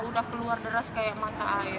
udah keluar deras kayak mata air